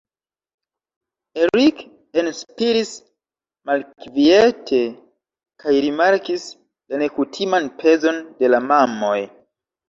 Eric enspiris malkviete kaj rimarkis la nekutiman pezon de la mamoj.